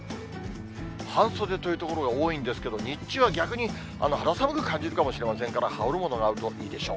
半袖という所が多いんですけど、日中は逆に肌寒く感じるかもしれませんから、羽織るものがあるといいでしょう。